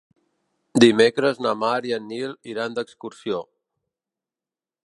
Dimecres na Mar i en Nil iran d'excursió.